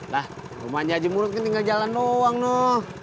lah rumahnya haji murad kan tinggal jalan doang loh